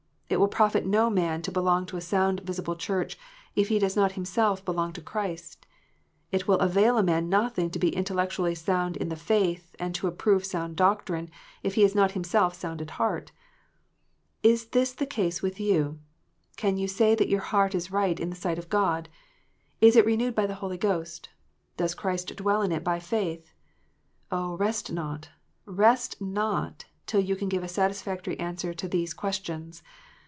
It will profit no man to belong to a sound visible Church, if he does not himself belong to Christ. It will avail a man nothing to be intellectually sound in the faith, and to approve sound doctrine, if he is not himself sound at heart. Is this the case with you 1 Can you say that your heart is right in the sight of God ? Is it renewed by the Holy Ghost? Does Christ dwell in it by faith? 0, rest not, rest not, till you can give a satisfactory answer to these questions